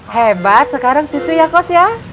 hebat sekarang cucu ya cos ya